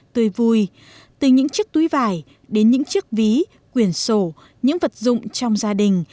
tươi vui từ những chiếc túi vải đến những chiếc ví quyển sổ những vật dụng trong gia đình